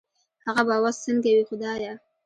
هغه به وس سنګه وي خدايه